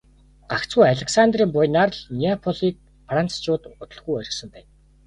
Гагцхүү Александрын буянаар л Неаполийг францчууд удалгүй орхисон байна.